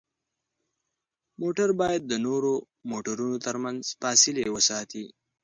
موټر باید د نورو موټرونو ترمنځ فاصلې وساتي.